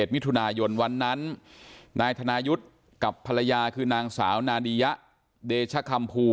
มิถุนายนวันนั้นนายธนายุทธ์กับภรรยาคือนางสาวนาดียะเดชคัมภู